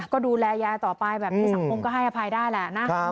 ก็ดูแลยายต่อไปแบบนี้สังคมก็ให้อภัยได้แหละนะ